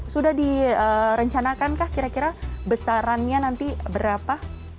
sudah direncanakan kah kira kira besarannya nanti berapa